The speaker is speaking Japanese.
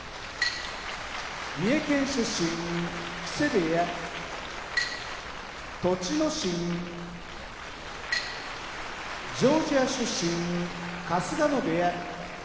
三重県出身木瀬部屋栃ノ心ジョージア出身春日野部屋